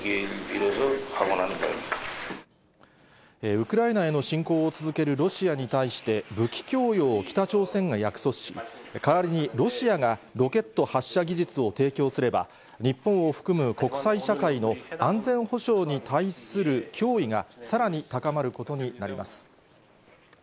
ウクライナへの侵攻を続けるロシアに対して、武器供与を北朝鮮が約束し、代わりにロシアがロケット発射技術を提供すれば、日本を含む国際社会の安全保障に対する脅威が、さらに高まることになります。